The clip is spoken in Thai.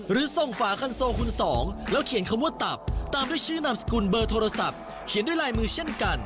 หรือส่งฝาคันโซคุณสองแล้วเขียนคำว่าตับตามด้วยชื่อนามสกุลเบอร์โทรศัพท์เขียนด้วยลายมือเช่นกัน